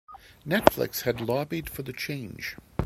Netflix had lobbied for the change.